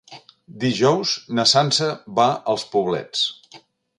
Dijous na Sança va als Poblets.